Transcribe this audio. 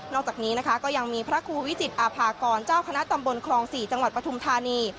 อกจากนี้นะคะก็ยังมีพระครูวิจิตอาภากรเจ้าคณะตำบลคลอง๔จังหวัดปฐุมธานี